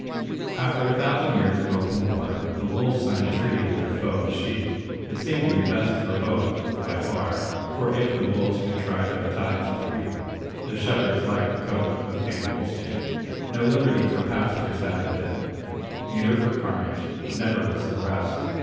After a thousand years of open war, The Wolves signed treaty with their foes, the Sheep: It seemed to be the best for both, by far; For if the Wolves contrived their tithes to reap, The shepherds liked a coat of tanned Wolf skin. No liberty for pasture had there been, Neither for carnage; never was there rest!